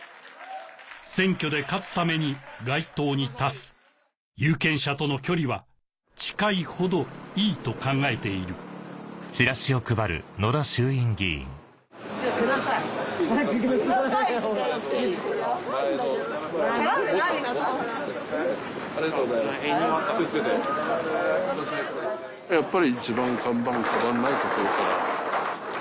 選挙で勝つために街頭に立つ有権者との距離は近いほどいいと考えているやっぱり。